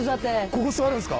ここ座るんすか？